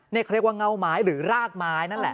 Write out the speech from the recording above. นี่เขาเรียกว่าเงาไม้หรือรากไม้นั่นแหละ